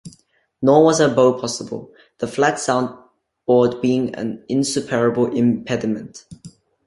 Nor was a bow possible, the flat sound-board being an insuperable impediment.